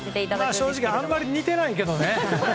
正直、あんまり似てないけどね。